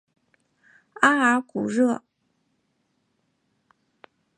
阿尔古热。